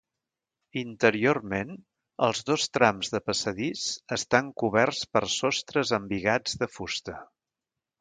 Interiorment, els dos trams de passadís estan coberts per sostres embigats de fusta.